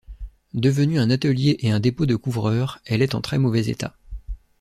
Devenue un atelier et un dépôt de couvreurs, elle est en très mauvais état.